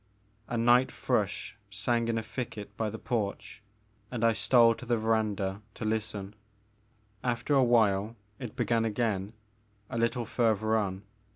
A night thrush sang in a thicket by the porch and I stole to the verandah to listen. After a while it began again, a little further on.